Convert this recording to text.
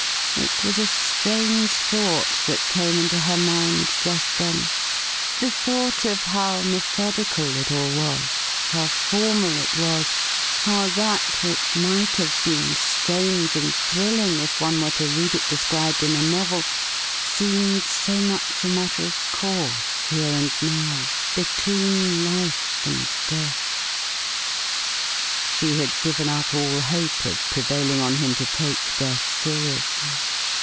It was a strange thought that came into her mind just then : the thought of how methodical it all was, how formal it was, how that which might have been strange and thrilling if one were to read it described in a novel seemed so much a matter of course here and now — between life and death. She had given up all hope of prevailing on him to take death seriously.